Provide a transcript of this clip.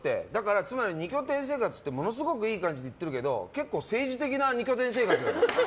つまり２拠点生活ってすごいいい感じに言ってるけどすごい政治的な２拠点生活。